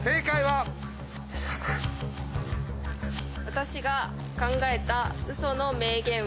私が考えたウソの名言は。